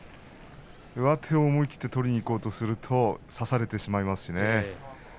上手を思い切って取りにいこうとすると差されてしまいます。